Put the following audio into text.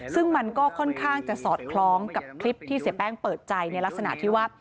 ซึ่งมันก็ค่อนข้างจะสอดคล้องกับคลิปที่เสียแป้งเปิดใจในลักษณะที่ว่า